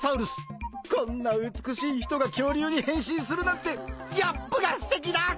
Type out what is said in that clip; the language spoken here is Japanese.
［こんな美しい人が恐竜に変身するなんてギャップがすてきだ！］